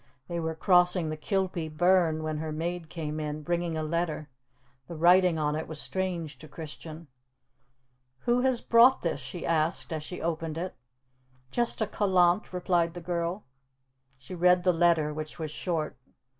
They were crossing the Kilpie burn when her maid came in, bringing a letter. The writing on it was strange to Christian. "Who has brought this?" she asked as she opened it. "Just a callant," replied the girl. She read the letter, which was short.